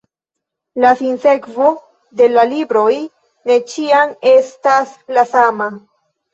La sinsekvo de la libroj ne ĉiam estas la sama.